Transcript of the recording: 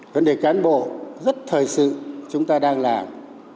vấn đề cán bộ rất thời sự chúng ta đang làm